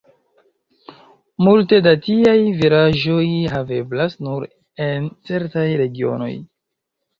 Multe da tiaj variaĵoj haveblas nur en certaj regionoj.